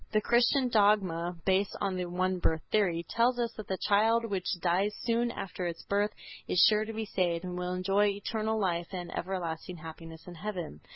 The Christian dogma, based on the one birth theory, tells us that the child which dies soon after its birth is sure to be saved and will enjoy eternal life and everlasting happiness in heaven.